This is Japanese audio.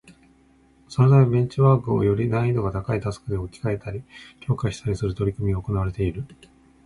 そのためベンチマークをより難易度が高いタスクで置き換えたり、強化したりする取り組みが行われている